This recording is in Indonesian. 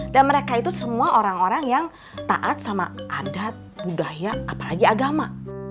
dan mereka itu semua orang orang yang taat sama adat budaya apalagi agama